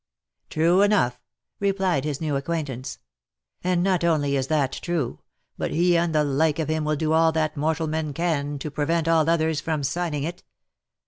" True enough," replied his new acquaintance, " and not only is that true, but he and the like of him will do all that mortal men can, to prevent all others from signing it.